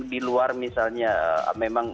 di luar misalnya memang